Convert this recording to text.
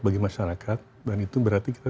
bagi masyarakat dan itu berarti kita